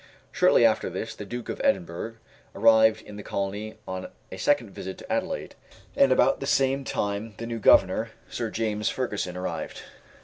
Shortly after this the Duke of Edinburgh arrived in the colony on a second visit to Adelaide, and about the same time the new Governor, Sir James Fergusson, arrived.